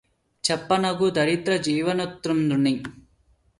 చెప్పనగు ధరిత్ర జీవన్మృతుం డని